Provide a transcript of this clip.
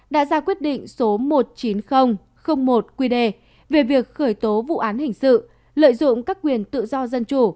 đã ra quyết định số một trăm chín mươi một qd về việc khởi tố vụ án hình sự lợi dụng các quyền tự do dân chủ